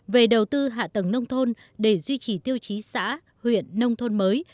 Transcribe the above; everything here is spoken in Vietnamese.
về đầu tư hạ tầng nông thôn để duy trì tiêu chí xã huyện nông thôn mới